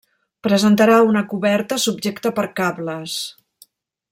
Presentarà una coberta subjecta per cables.